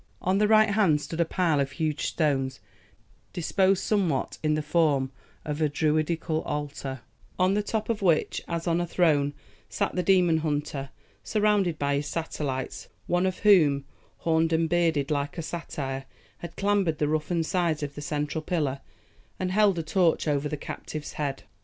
On the right hand stood a pile of huge stones, disposed somewhat in the form of a Druidical altar, on the top of which, as on a throne, sat the demon hunter, surrounded by his satellites one of whom, horned and bearded like a satyr, had clambered the roughened sides of the central pillar, and held a torch over the captive's head.